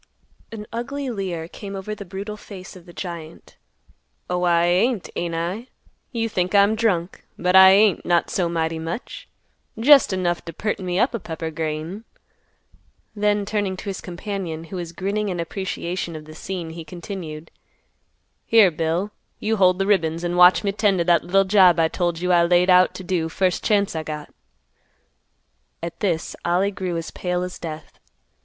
An ugly leer came over the brutal face of the giant; "Oh, I ain't, ain't I? You think I'm drunk. But I ain't, not so mighty much. Jest enough t' perten me up a pepper grain." Then, turning to his companion, who was grinning in appreciation of the scene, he continued, "Here, Bill; you hold th' ribbens, an' watch me tend t' that little job I told you I laid out t' do first chance I got." At this, Ollie grew as pale as death.